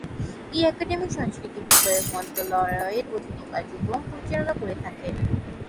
এই একাডেমি সংস্কৃতি বিষয়ক মন্ত্রণালয়ের অধীনে কার্যক্রম পরিচালনা করে থাকে।